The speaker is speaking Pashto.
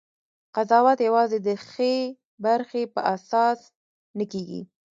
قضاوت یوازې د ښې برخې په اساس نه کېږي.